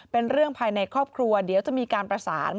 เป็นเรื่องภายในครอบครัวเดี๋ยวจะมีการประสาน